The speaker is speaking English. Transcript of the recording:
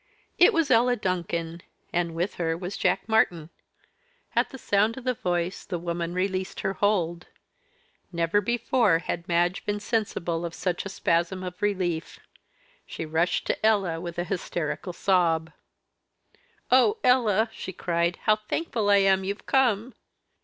It was Ella Duncan, and with her was Jack Martyn. At the sound of the voice, the woman released her hold. Never before had Madge been sensible of such a spasm of relief. She rushed to Ella with a hysterical sob. "Oh, Ella!" she cried, "how thankful I am you've come."